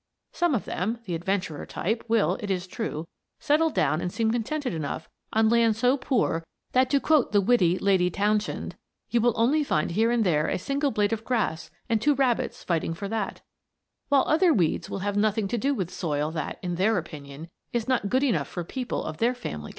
Some of them, the adventurer type, will, it is true, settle down and seem contented enough on land so poor that to quote the witty Lady Townshend "you will only find here and there a single blade of grass and two rabbits fighting for that"; while other weeds will have nothing to do with soil that, in their opinion, is not good enough for people of their family connections.